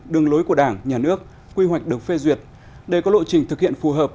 đường lối của đảng nhà nước quy hoạch được phê duyệt để có lộ trình thực hiện phù hợp